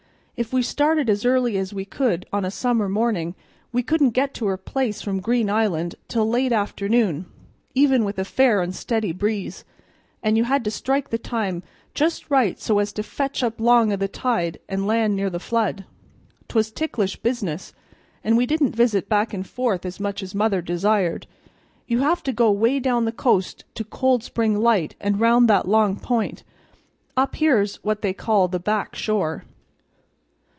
If we started as early's we could on a summer mornin', we couldn't get to her place from Green Island till late afternoon, even with a fair, steady breeze, and you had to strike the time just right so as to fetch up 'long o' the tide and land near the flood. 'Twas ticklish business, an' we didn't visit back an' forth as much as mother desired. You have to go 'way down the co'st to Cold Spring Light an' round that long point, up here's what they call the Back Shore."